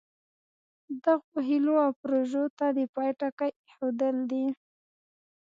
دغو هیلو او پروژو ته د پای ټکی ایښودل دي.